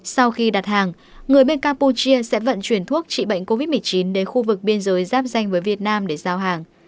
sau khi đặt hàng người bên campuchia sẽ vận chuyển thuốc trị bệnh covid một mươi chín đến khu vực biên giới giáp danh với việt nam để giao hàng